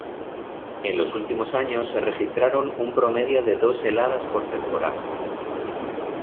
En los últimos años se registraron un promedio de dos heladas por temporada.